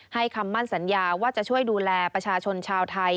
คำมั่นสัญญาว่าจะช่วยดูแลประชาชนชาวไทย